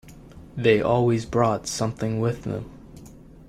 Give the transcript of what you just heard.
They always brought something with them.